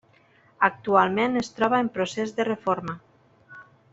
Actualment es troba en procés de reforma.